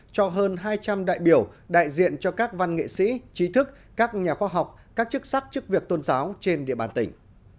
cho hơn hai trăm linh đại biểu đại diện cho các văn nghệ sĩ trí thức các nhà khoa học các chức sắc chức việc tôn giáo trên địa bàn tỉnh